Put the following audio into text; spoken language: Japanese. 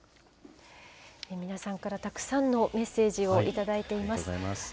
皆さんからたくさんのメッセージを頂いています。